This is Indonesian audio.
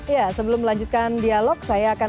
ya sebelum melanjutkan dialog saya akan